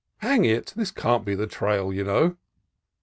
"Hang it! this can't be the trail, you know."